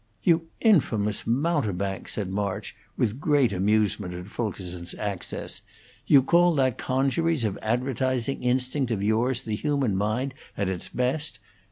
"You infamous mountebank!", said March, with great amusement at Fulkerson's access; "you call that congeries of advertising instinct of yours the human mind at its best?